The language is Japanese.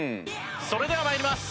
それでは参ります。